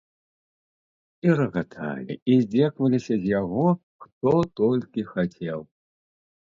І рагаталі, і здзекаваліся з яго, хто толькі хацеў.